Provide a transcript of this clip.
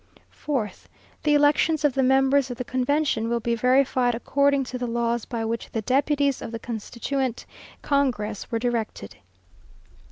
4th. "The elections of the members of the convention, will be verified according to the laws by which the deputies of the Constituent Congress were directed.